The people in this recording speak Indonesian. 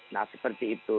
nah seperti itu